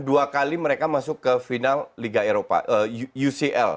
dua kali mereka masuk ke final liga eropa ucl